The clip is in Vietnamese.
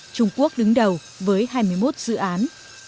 trung quốc đứng đầu với hai mươi một dự án